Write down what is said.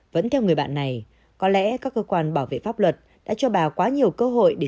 vẫn theo người bạn này có lẽ các cơ quan bảo vệ pháp luật đã cho bà quá nhiều cơ hội để